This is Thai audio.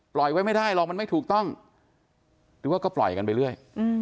ไว้ไม่ได้หรอกมันไม่ถูกต้องหรือว่าก็ปล่อยกันไปเรื่อย